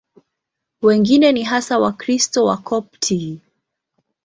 Wengine ni hasa Wakristo Wakopti.